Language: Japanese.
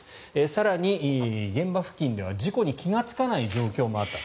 更に現場付近では事故に気がつかない状況もあった。